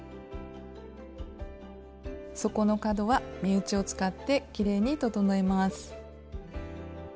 底の角は目打ちを使ってきれいに整えます。